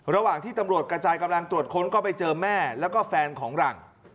ระหว่างที่ตำรวจกระจายกำลังตรวจค้นก็ไปเจอแม่แล้วก็แฟนของหลัง